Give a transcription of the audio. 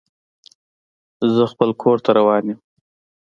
زه خپل کور ته روان یم.